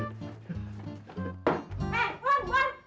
eh buang buang